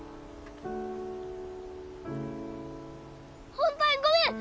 本当にごめん！